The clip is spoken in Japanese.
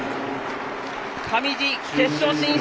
上地、決勝進出！